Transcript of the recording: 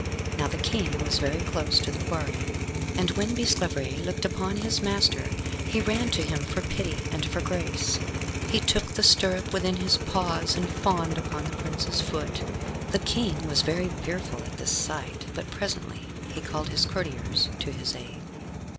Now the King was very close to the quarry, and when Bisclavaret looked upon his master, he ran to him for pity and for grace. He took the stirrup within his paws, and fawned upon the prince's foot. The King was very fearful at this sight, but presently he called his courtiers to his aid.